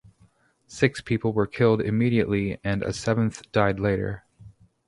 Six people were killed immediately and a seventh died later.